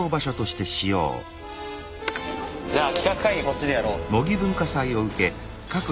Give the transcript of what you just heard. じゃあ企画会議こっちでやろう。